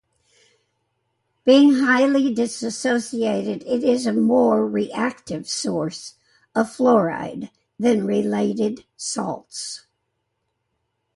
Being highly dissociated it is a more reactive source of fluoride than related salts.